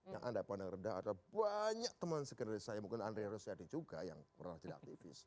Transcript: yang anda pandang rendah adalah banyak teman segeneralisasi saya mungkin andre rosiadi juga yang meracik aktivis